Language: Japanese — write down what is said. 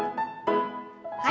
はい。